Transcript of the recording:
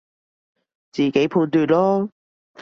自己判斷囉